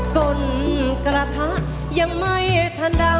กลกระทะยังไม่ทะดำ